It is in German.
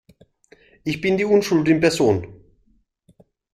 Ich bin die Unschuld in Person!